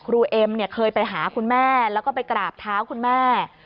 เอ็มเนี่ยเคยไปหาคุณแม่แล้วก็ไปกราบเท้าคุณแม่